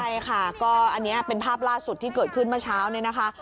ใช่ค่ะก็อันนี้เป็นภาพล่าสุดที่เกิดขึ้นเมื่อเช้าเนี่ยนะคะ